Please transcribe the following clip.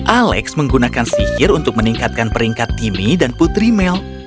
alex menggunakan sihir untuk meningkatkan peringkat timmy dan putri mel